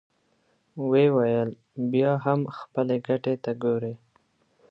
ويې ويل: بيا هم خپلې ګټې ته ګورې!